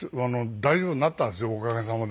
大丈夫になったんですよおかげさまで。